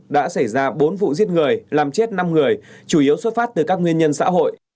đã xảy ra bốn vụ giết người làm chết năm người chủ yếu xuất phát từ các nguyên nhân xã hội